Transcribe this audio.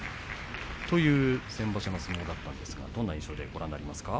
先場所の相撲だったんですがどんな印象でご覧になりましたか。